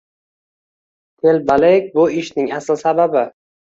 Telbalik bu ishning asl sababi.